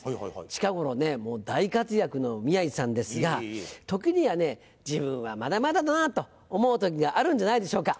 近頃大活躍の宮治さんですが時には自分はまだまだだなぁと思う時があるんじゃないでしょうか。